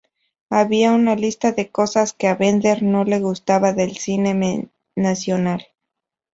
Había una lista de cosas que a Bender no le gustaban del cine nacional.